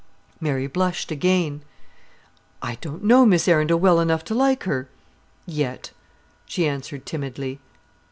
Mary blushed again. "I don't know Miss Arundel well enough to like her yet," she answered timidly.